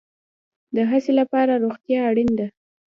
د هڅې لپاره روغتیا اړین ده